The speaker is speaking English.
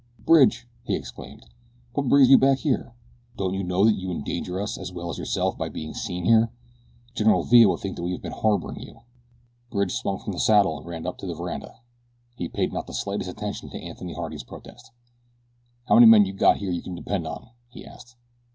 "Bridge!" he exclaimed. "What brings you back here? Don't you know that you endanger us as well as yourself by being seen here? General Villa will think that we have been harboring you." Bridge swung from the saddle and ran up onto the veranda. He paid not the slightest attention to Anthony Harding's protest. "How many men you got here that you can depend on?" he asked.